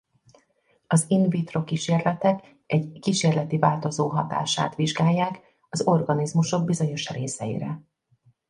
Az in vitro kísérletek egy kísérleti változó hatását vizsgálják az organizmusok bizonyos részeire.